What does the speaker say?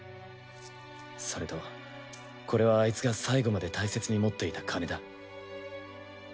それとこれはアイツが最後まで大切に持っていた金だ。